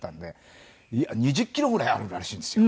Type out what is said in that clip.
２０キロぐらいあるらしいんですよ。